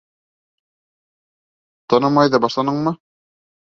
Танымай ҙа башланыңмы?